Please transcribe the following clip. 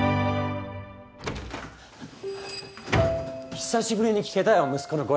久しぶりに聞けたよ息子の声。